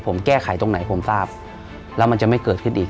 ผมแก้ไขตรงไหนผมทราบแล้วมันจะไม่เกิดขึ้นอีก